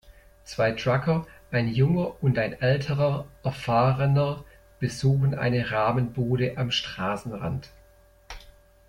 Zwei Trucker, ein junger und ein älterer, erfahrener, besuchen eine Ramen-Bude am Straßenrand.